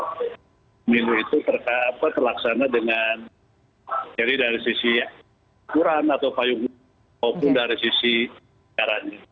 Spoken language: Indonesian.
pemilu itu terlaksana dari sisi aturan atau payung hukum dari sisi perjalanan